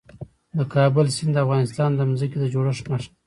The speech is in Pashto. د کابل سیند د افغانستان د ځمکې د جوړښت نښه ده.